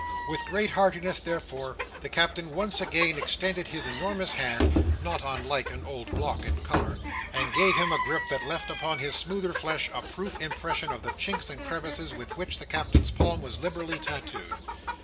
With great heartiness, therefore, the Captain once again extended his enormous hand (not unlike an old block in colour), and gave him a grip that left upon his smoother flesh a proof impression of the chinks and crevices with which the Captain's palm was liberally tattooed.